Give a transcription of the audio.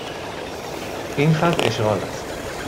این خط اشغال است.